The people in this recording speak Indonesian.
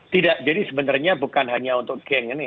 tidak jadi sebenarnya bukan hanya untuk geng ini